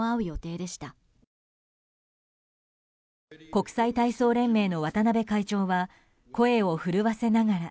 国際体操連盟の渡辺会長は声を震わせながら。